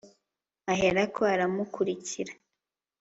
Aherako aramukurikira